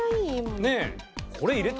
ねえ。